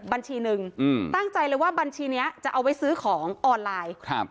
บัญชีหนึ่งอืมตั้งใจเลยว่าบัญชีนี้จะเอาไว้ซื้อของออนไลน์ครับ